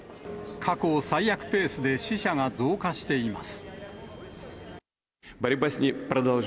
過去最悪ペースで死者が増加しています。